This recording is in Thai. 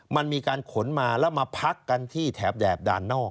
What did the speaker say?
มันมีการขนมาแล้วมาพักกันที่แถบแดบด่านนอก